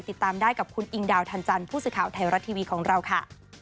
ติดตามได้กับคุณอิงดาวทันจันทร์ผู้สื่อข่าวไทยรัฐทีวีของเราค่ะ